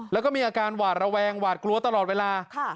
แล้วก็มีอาการหวาดระแวงหวาดกลัวตลอดเวลา